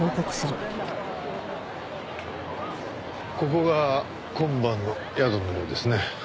ここが今晩の宿のようですね。